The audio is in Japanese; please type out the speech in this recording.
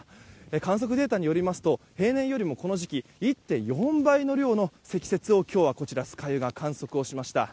観測データによりますと平年よりもこの時期１．４倍の量の積雪を今日は酸ヶ湯が観測しました。